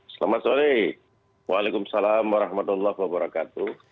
selamat sore waalaikumsalam warahmatullahi wabarakatuh